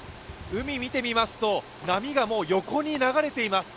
海、見てみますと波が横に流れています。